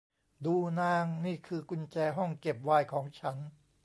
ดู นาง นี่คือกุญแจห้องเก็บไวน์ของฉัน